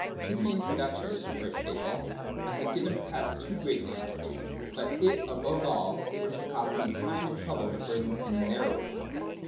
'To the Introduction,' writes (Hegel ',' I have given perhaps too great an amplitude : but it, above all, would have cost me time and trouble to bring within narrower compass.